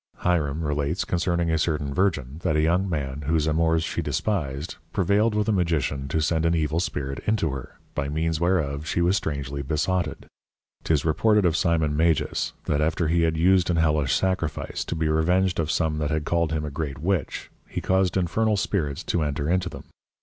Hierom relates concerning a certain Virgin, that a young Man, whose Amours she despised, prevailed with a Magician to send an evil Spirit into her, by means whereof she was strangely besotted. 'Tis reported of Simon Magus, that after he had used an Hellish Sacrifice, to be revenged of some that had called him a great Witch, he caused infernal Spirits to enter into them.